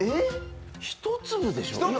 一粒でしょ